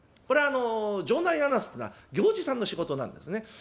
これはあの場内アナウンスっていうのは行司さんの仕事なんですね。